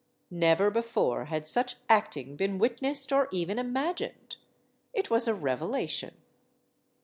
Never before had such acting been witnessed or even imagined. It was a revelation.